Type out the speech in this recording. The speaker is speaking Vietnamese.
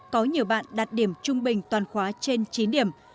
có nhiều bạn đạt điểm trung bình toàn khóa trên chín điểm